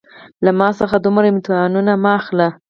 له ما څخه دومره امتحانونه مه اخله